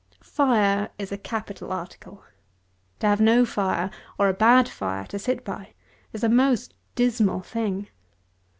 Fire is a capital article. To have no fire, or a bad fire, to sit by, is a most dismal thing.